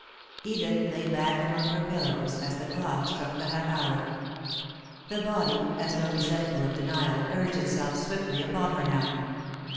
Edith lay back among her pillows, as the clock struck the half hour. The body, as though resentful of denial, urged itself swiftly upon her now.